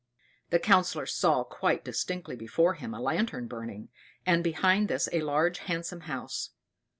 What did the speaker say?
The Councillor saw quite distinctly before him a lantern burning, and behind this a large handsome house.